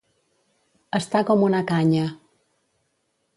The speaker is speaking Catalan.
Estar com una canya.